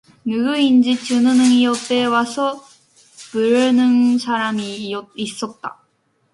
누구인지 춘우는 옆에 와서 부르는 사람이 있었다.